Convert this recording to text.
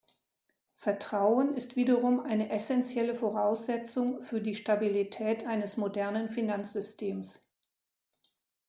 Vertrauen ist wiederum eine essentielle Voraussetzung für die Stabilität eines modernen Finanzsystems.